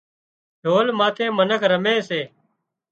ڍول ماٿي منک رمي سي